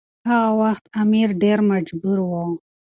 هغه وخت امیر ډیر مجبور و.